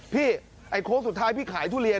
ไอ้โค้งสุดท้ายพี่ขายทุเรียน